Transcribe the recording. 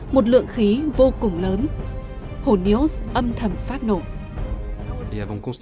một lượng khí vô cùng lớn hồ neos âm thầm phát nổ